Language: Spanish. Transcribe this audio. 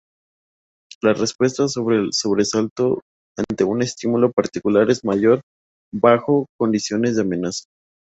La respuesta por sobresalto ante un estímulo particular es mayor bajo condiciones de amenaza.